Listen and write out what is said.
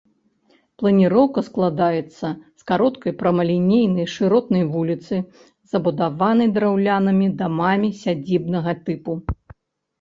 Планіроўка складаецца з кароткай прамалінейнай, шыротнай вуліцы, забудаванай драўлянымі дамамі сядзібнага тыпу.